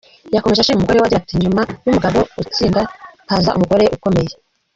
Yakomeje ashima umugore we agira ati : ”nyuma y’umugabo utsinda, haza umugore ukomeye”.